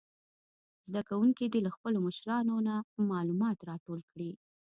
زده کوونکي دې له خپلو مشرانو نه معلومات راټول کړي.